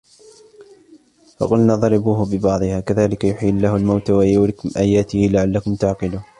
فَقُلْنَا اضْرِبُوهُ بِبَعْضِهَا كَذَلِكَ يُحْيِي اللَّهُ الْمَوْتَى وَيُرِيكُمْ آيَاتِهِ لَعَلَّكُمْ تَعْقِلُونَ